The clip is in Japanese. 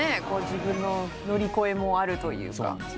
自分の乗り越えもあるというか。